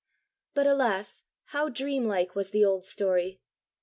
But alas, how dream like was the old story!